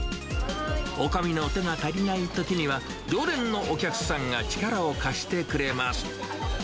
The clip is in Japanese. おかみの手が足りないときには、常連のお客さんが力を貸してくれます。